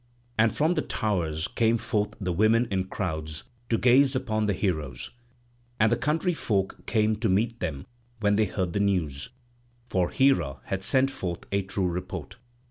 And from the towers came forth the women in crowds to gaze upon the heroes; and the country folk came to meet them when they heard the news, for Hera had sent forth a true report.